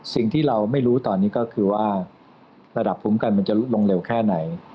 สิ่งที่เราไม่รู้ตอนนี้ก็คือว่าระดับภูมิกันมันจะลดลงเร็วแค่ไหน